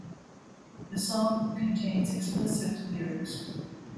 The song contains explicit lyrics.